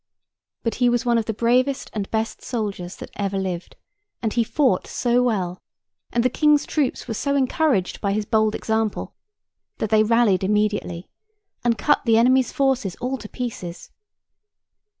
But he was one of the bravest and best soldiers that ever lived, and he fought so well, and the King's troops were so encouraged by his bold example, that they rallied immediately, and cut the enemy's forces all to pieces.